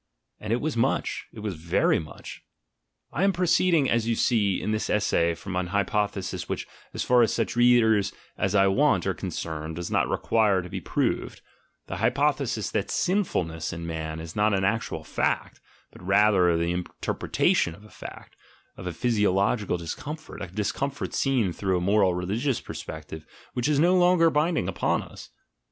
and it was much! it was very much! I am proceeding, as you see, in this essay, from an hypothesis which, as far as such readers as I want are ASCETIC IDEALS 137 concerned, does not require to be proved; the hypothesis that "sinfulness" in man is not an actual fact, but rather merely the interpretation of a fact, of a physiological discomfort, — a discomfort seen through a moral religious perspective which is no longer binding upon us.